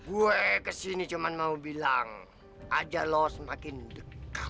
gue kesini cuma mau bilang ajar lo semakin dekat